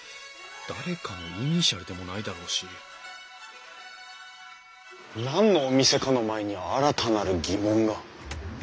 誰かのイニシャルでもないだろうし何のお店かの前に新たなる疑問が。